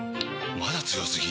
まだ強すぎ？！